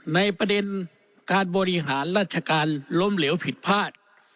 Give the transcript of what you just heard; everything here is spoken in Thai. ในประเด็นการบริหารราชการล้มเหลวผิดพลาด